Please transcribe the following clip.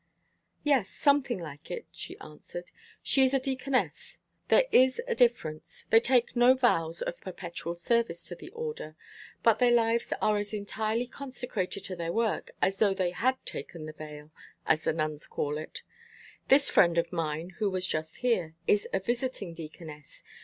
"Yes, something like it," she answered. "She is a deaconess. There is this difference. They take no vows of perpetual service to the order, but their lives are as entirely consecrated to their work as though they had 'taken the veil,' as the nuns call it. This friend of mine who was just here, is a visiting deaconess.